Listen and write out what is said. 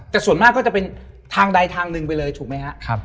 แต่ส่วนมากก็จะเป็นทางใดทางหนึ่งไปเลยถูกไหมครับ